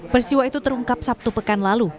peristiwa itu terungkap sabtu pekan lalu